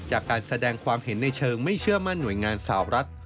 จากการแสดงความเห็นในเชิงไม่เชื่อมั่นหน่วยงานสาวรัฐ